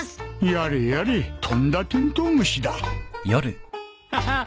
やれやれとんだテントウムシだハハッ！